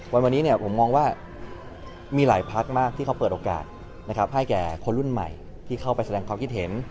วันนี้ผมมองว่ามีหลายพักมากที่เขาเปิดโอกาสให้แก่คนรุ่นใหม่ที่เข้าไปแสดงความคิดเห็น